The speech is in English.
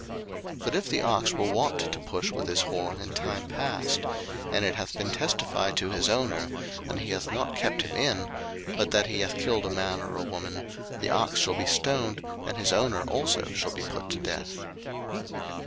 02:021:029 But if the ox were wont to push with his horn in time past, and it hath been testified to his owner, and he hath not kept him in, but that he hath killed a man or a woman; the ox shall be stoned, and his owner also shall be put to death.